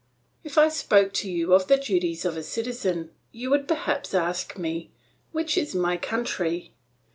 "If I spoke to you of the duties of a citizen, you would perhaps ask me, 'Which is my country?'